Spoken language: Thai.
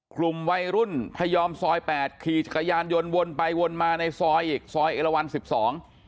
กลุ่มวัยรุ่นพยอมซอย๘ขี่กายานยนต์วนไปวนมาในซอยซอยเอลวัน๑๒